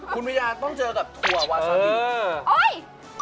คุณพญาต้องเจอกับถั่ววาซาดี